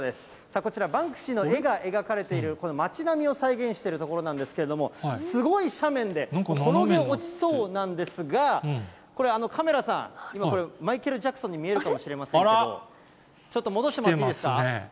こちら、バンクシーの絵が描かれている、この街並みを再現している所なんですけれども、すごい斜面で、転げ落ちそうなんですが、これ、カメラさん、今、これ、マイケル・ジャクソンさんに見えるかもしれませんけれども、ちょっと戻してもらっていいですか。